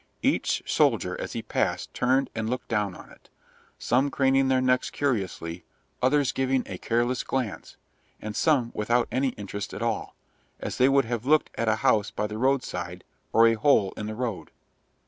Each soldier as he passed turned and looked down on it, some craning their necks curiously, others giving a careless glance, and some without any interest at all, as they would have looked at a house by the roadside, or a hole in the road.